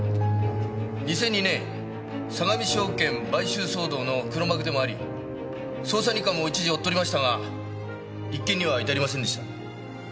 ２００２年相模証券買収騒動の黒幕でもあり捜査二課も一時追っておりましたが立件には至りませんでした。